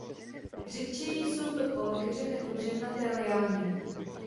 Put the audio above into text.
Řidčeji jsou to polokeře nebo dřevnaté liány.